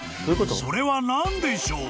［それは何でしょう？］